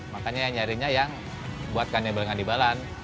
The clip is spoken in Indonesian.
makanya nyarinya yang buat kandungan di balan